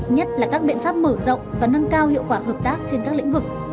nhất là các biện pháp mở rộng và nâng cao hiệu quả hợp tác trên các lĩnh vực